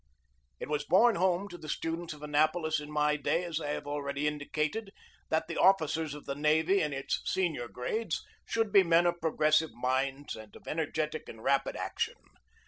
It was borne home to the students of Annapolis in my day, as I have already indicated, that the officers of the navy, in its senior grades, should be men of progressive minds and of energetic and rapid action.